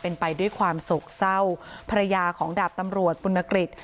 เป็นไปด้วยความโศกเศร้าภรรยาของดาบตำรวจปุณกฤษ